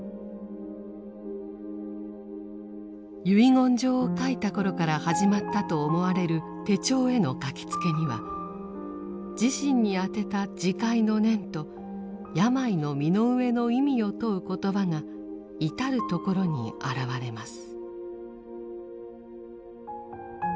遺言状を書いた頃から始まったと思われる手帳への書きつけには自身に宛てた自戒の念と病の身の上の意味を問う言葉が至る所にあらわれます。